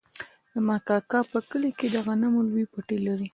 زما کاکا په کلي کې د غنمو لوی پټی لري.